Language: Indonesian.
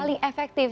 yang paling efektif